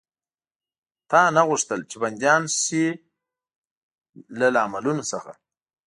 تا نه غوښتل، چې بندیان شي؟ له لاملونو څخه.